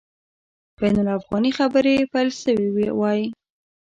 بین الافغاني خبري پیل سوي وای.